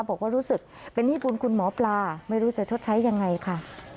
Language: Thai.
บอกว่ารู้สึกเป็นหนี้บุญคุณหมอปลาไม่รู้จะชดใช้ยังไงค่ะ